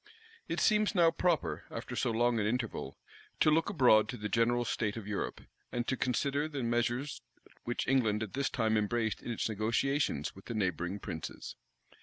It seems now proper, after so long an interval, to look abroad to the general state of Europe, and to consider the measures which England at this time embraced in its negotiations with the neighboring princes.